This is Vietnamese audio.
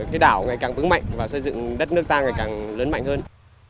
cái đảo ngày càng vững mạnh và xây dựng đất nước ta ngày càng lớn mạnh hơn